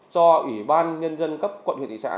cho ủy ban nhân dân cấp quận huyện thị xã